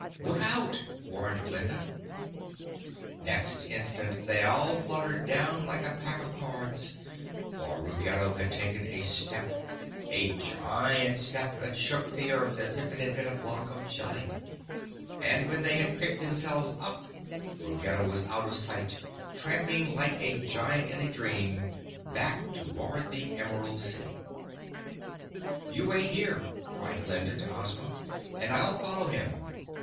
"Look out!" warned Glinda. Next instant they all fluttered down like a pack of cards, for Ruggedo had taken a step—a giant step that shook the earth as if it had been a block of jelly—and when they had picked themselves up Ruggedo was out of sight, tramping like a giant in a dream, back toward the Emerald City. [Illustration: Ruggedo, tramping like a giant in a dream, back to the Emerald City] "You wait here!" cried Glinda to Ozma. "And I'll follow him!"